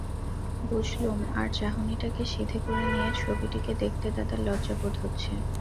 বুঝলুম আড়-চাহনিটাকে সিধে করে নিয়ে ছবিটিকে দেখতে দাদার লজ্জা বোধ হচ্ছে।